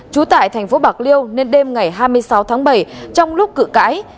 chú tại thành phố bạc liêu nên đêm ngày hai mươi sáu tháng bảy trong lúc cử cãi